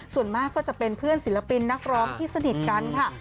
ส่วนมากก็จะเป็นเพื่อนศิลปินนักร้องที่สนิทกันค่ะ